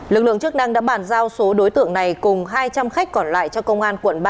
lực lượng chức năng đã bàn giao số đối tượng này cùng hai trăm linh khách còn lại cho công an quận ba